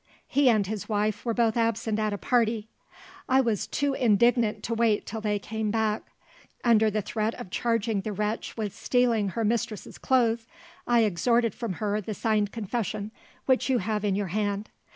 He and his wife were both absent at a party. I was too indignant to wait till they came back. Under the threat of charging the wretch with stealing her mistress's clothes, I extorted from her the signed confession which you have in your hand.